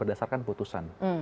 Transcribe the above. ini kan putusan